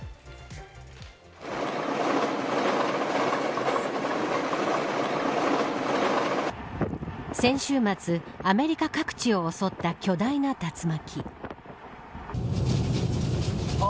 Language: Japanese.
被害の様子が先週末、アメリカ各地を襲った巨大な竜巻。